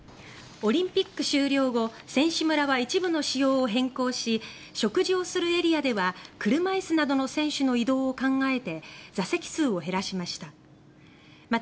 オリンピック終了後選手村は一部の仕様を変更し食事をするエリアでは車椅子などの選手の移動を考えて座席数を減らしました。